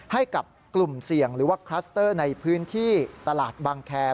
ให้กับกลุ่มเสี่ยงหรือว่าคลัสเตอร์ในพื้นที่ตลาดบางแคร์